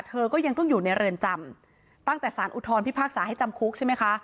เธอก็ยังต้องอยู่ในเรือนจำตั้งแต่สารอุทธรพิพากษาให้จำคุกใช่ไหมคะ